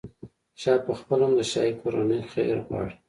شاه پخپله هم د شاهي کورنۍ خیر غواړي.